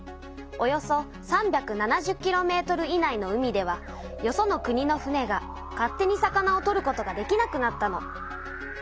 およそ３７０ｋｍ以内の海ではよその国の船が勝手に魚を取ることができなくなったの。